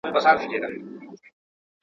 يو د وخت د پاچا پلوي وو